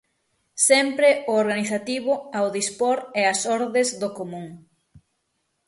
Sempre o organizativo ao dispor e ás ordes do común.